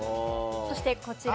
そしてこちら。